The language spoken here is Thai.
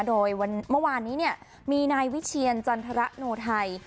โดยเมื่อวานนี้มีนายวิเชียรจันทรโนไทย